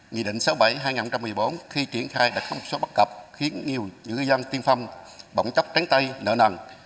nghị định sáu mươi bảy hai nghìn một mươi bốn khi triển khai đã có một số bất cập khiến nhiều ngư dân tiên phong bỗng chốc tránh tay nợ nần